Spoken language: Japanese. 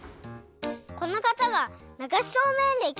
このかたがながしそうめんれき